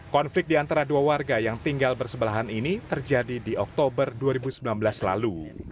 konflik di antara dua warga yang tinggal bersebelahan ini terjadi di oktober dua ribu sembilan belas lalu